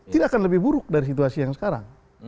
tidak akan lebih buruk dari situasi yang sekarang